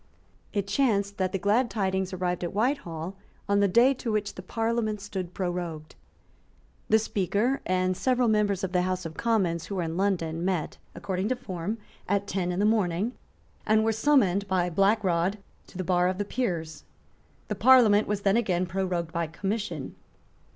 It chanced that the glad tidings arrived at Whitehall on the day to which the Parliament stood prorogued. The Speaker and several members of the House of Commons who were in London met, according to form, at ten in the morning, and were summoned by Black Rod to the bar of the Peers. The Parliament was then again prorogued by commission.